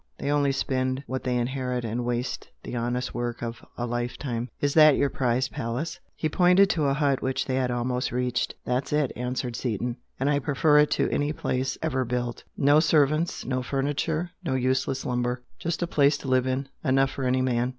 They only spend what they inherit and waste the honest work of a life time. Is that your prize palace?" He pointed to the hut which they had almost reached. "That's it!" answered Seaton "And I prefer it to any palace ever built. No servants, no furniture, no useless lumber just a place to live in enough for any man."